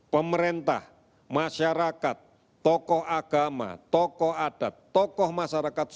pemerintah masyarakat tokoh agama tokoh adat tokoh masyarakat